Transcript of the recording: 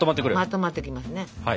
まとまってきますね。